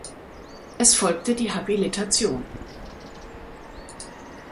Es folgte die Habilitation.